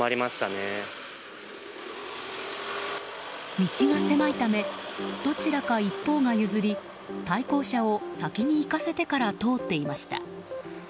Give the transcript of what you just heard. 道が狭いためどちらか一方が譲り対向車を先に行かせてから通っていました。